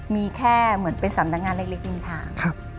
มีแค่เหมือนเป็นสำนักงานเล็กริมทาง